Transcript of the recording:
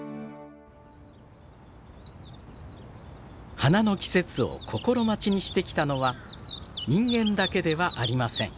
花の季節を心待ちにしてきたのは人間だけではありません。